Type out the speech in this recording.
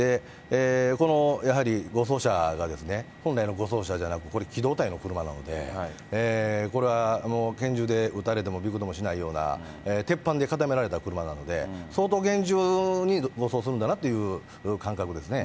このやはり護送車がですね、本来の護送車じゃなく、これ、機動隊の車なので、これは拳銃で撃たれてもびくともしないような、鉄板で固められた車なので、相当厳重に護送するんだなっていう感覚ですね。